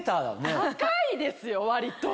高いですよ割と。